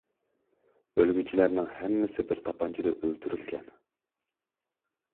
ئۆلگۈچىلەرنىڭ ھەممىسى بىر تاپانچىدا ئۆلتۈرۈلگەن.